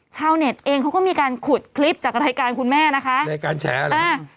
ชาวเน็ตเองเขาก็มีการขุดคลิปจากรายการคุณแม่นะคะรายการแฉอะไรอ่า